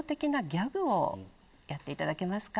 やっていただけますか。